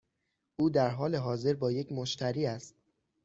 او در حال حاضر با یک مشتری است.